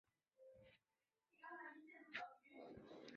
超擢内阁侍读学士。